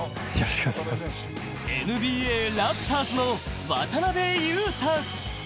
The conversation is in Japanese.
ＮＢＡ、ラプターズの渡邊雄太。